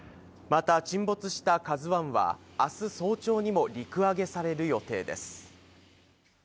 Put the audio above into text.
また沈没した「ＫＡＺＵ１」は明日、早朝にも陸揚げされる予定です。